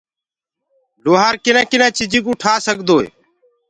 لوهآر ڪنآ ڪنآ چيجين ڪو ٺآ سگدوئي